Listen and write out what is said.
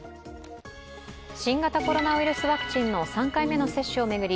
新型コロナウイルスワクチンの３回目の接種を巡り